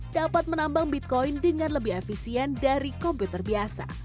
dapat menambang bitcoin dengan lebih efisien dari komputer biasa